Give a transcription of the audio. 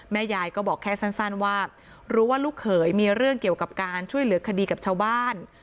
ยายก็บอกแค่สั้นว่ารู้ว่าลูกเขยมีเรื่องเกี่ยวกับการช่วยเหลือคดีกับชาวบ้าน